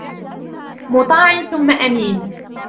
مُطَاعٍ ثَمَّ أَمِينٍ